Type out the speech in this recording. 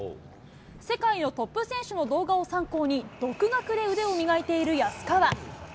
世界のトップ選手の動画を参考に、独学で腕を磨いている安川。